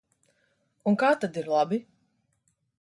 Un kā tad ir labi?